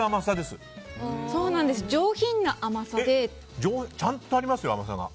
上品な甘さでちゃんとありますよ、甘さが。